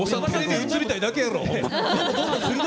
映りたいだけやろ！